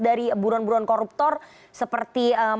dari buruan buruan koruptor seperti maria prasetya